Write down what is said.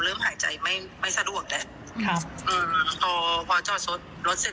หายใจไม่ไม่สะดวกแล้วครับอืมพอพอจอดรถรถเสร็จ